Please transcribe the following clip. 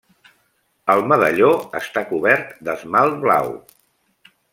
El medalló està cobert d'esmalt blau.